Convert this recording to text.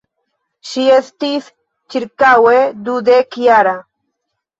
Ŝi estis ĉirkaŭe dudekjara.